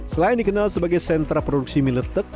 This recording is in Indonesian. selain dikenal sebagai sentra produksi mie letek